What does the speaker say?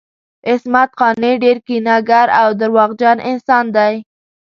عصمت قانع ډیر کینه ګر او درواغجن انسان دی